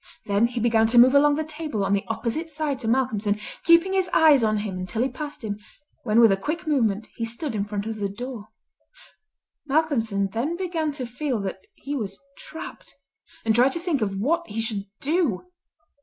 Then he began to move along the table on the opposite side to Malcolmson keeping his eyes on him until he had passed him, when with a quick movement he stood in front of the door. Malcolmson then began to feel that he was trapped, and tried to think of what he should do.